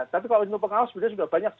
tapi kalau itu pengawas sebenarnya sudah banyak